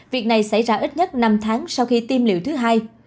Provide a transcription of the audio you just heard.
việc này xảy ra ít nhất năm tháng sau khi tiêm liệu thứ hai